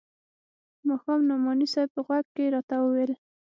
ماښام نعماني صاحب په غوږ کښې راته وويل.